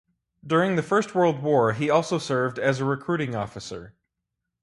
During the First World War he also served as a recruiting officer.